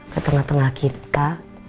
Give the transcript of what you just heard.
ke tengah tengah kita